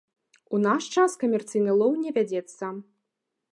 У наш час камерцыйны лоў не вядзецца.